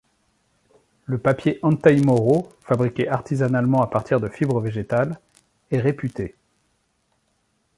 Le papier antaimoro, fabriqué artisanalement à partir de fibres végétales, est réputé.